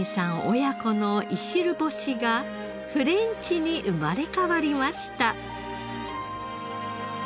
親子のいしる干しがフレンチに生まれ変わりました。